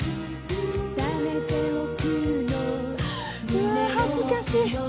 うわあ、恥ずかしい。